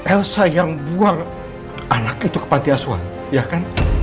elsa yang buang anak itu ke pantiasuhan ya kan